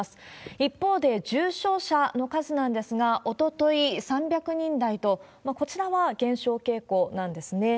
一方で重症者の数なんですが、おととい、３００人台と、こちらは減少傾向なんですね。